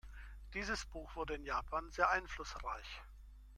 Dieses Buch wurde in Japan sehr einflussreich.